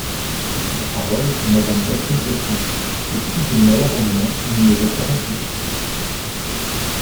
La parole est à Madame Catherine Vautrin, pour soutenir l’amendement numéro quarante-huit.